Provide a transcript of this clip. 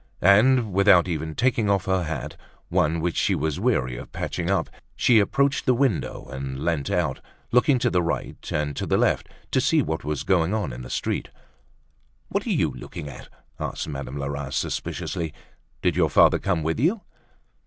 And without even taking off her hat, one which she was weary of patching up, she approached the window and leant out, looking to the right and the left to see what was going on in the street. "What are you looking at?" asked Madame Lerat, suspiciously. "Did your father come with you?"